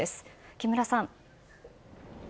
木村さん。